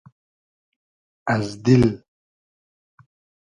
از دیل